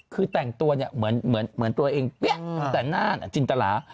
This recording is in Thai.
คือแต่งตัวเหมือนตัวเองแต่หน้าจินตรา